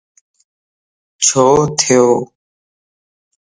ڇو ٿيو